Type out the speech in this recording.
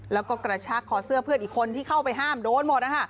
แล้วก็กระชากคอเสื้อเพื่อนอีกคนที่เข้าไปห้ามโดนหมดนะคะ